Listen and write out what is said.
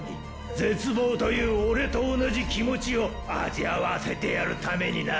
絶望というオレと同じ気持ちを味わわせてやるためになッ！